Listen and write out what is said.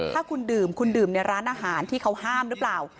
ถ้าคุณดื่มคุณดื่มในร้านอาหารที่เขาห้ามหรือเปล่า